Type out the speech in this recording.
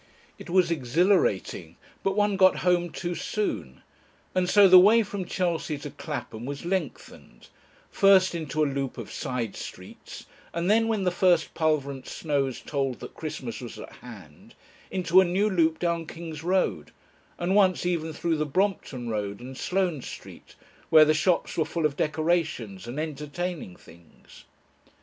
It was exhilarating, but one got home too soon, and so the way from Chelsea to Clapham was lengthened, first into a loop of side streets, and then when the first pulverulent snows told that Christmas was at hand, into a new loop down King's Road, and once even through the Brompton Road and Sloane Street, where the shops were full of decorations and entertaining things.